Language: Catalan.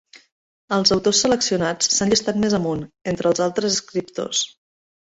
Els autors seleccionats s'han llistat més amunt, entre els altres escriptors.